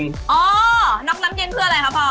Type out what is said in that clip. อ๋อน็อกน้ำเย็นเพื่ออะไรคะพ่อ